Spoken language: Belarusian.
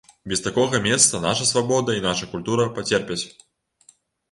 Без такога месца наша свабода і наша культура пацерпяць.